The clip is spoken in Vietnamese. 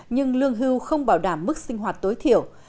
nhưng lương hưu không bảo đảm mức sinh hoạt tối thiểu